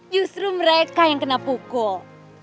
justru mereka yang kena pukul